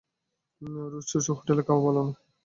রোজ-রোজ হোটেলে খাওয়া ভালো লাগে না।